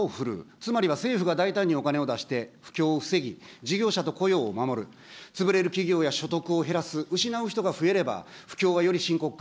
つまりは政府が大胆にお金を出して不況を防ぎ、事業者と雇用を守る、潰れる企業や所得を減らす、失う人が増えれば、不況はより深刻化。